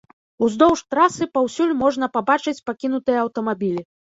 Уздоўж трасы паўсюль можна пабачыць пакінутыя аўтамабілі.